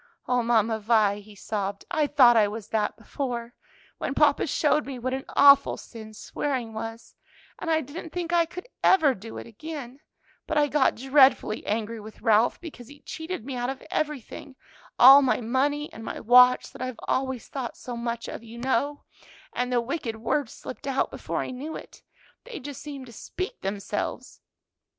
"O Mamma Vi," he sobbed, "I thought I was that before, when papa showed me what an awful sin swearing was, and I didn't think I could ever do it again; but I got dreadfully angry with Ralph because he cheated me out of everything all my money and my watch that I've always thought so much of, you know and the wicked words slipped out before I knew it; they just seemed to speak themselves."